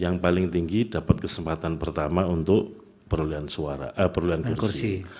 yang paling tinggi dapat kesempatan pertama untuk perlulian kursi